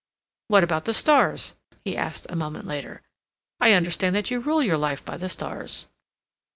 "What about the stars?" he asked a moment later. "I understand that you rule your life by the stars?"